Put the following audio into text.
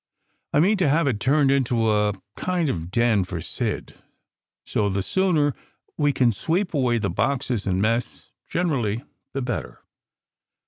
I mean to have it turned into a kind of den for Sid, so the sooner we can sweep away the boxes and mess generally, the better.